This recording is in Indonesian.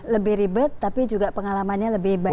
lebih ribet tapi juga pengalamannya lebih baik